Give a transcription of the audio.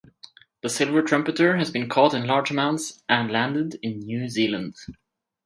The silver trumpeter has been caught in large amounts and landed in New Zealand.